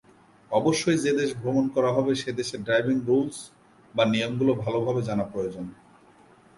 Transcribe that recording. অবশ্যই যে দেশ ভ্রমণ করা হবে সেদেশের ড্রাইভিং রুলস বা নিয়মগুলো ভালোভাবে জানা প্রয়োজন।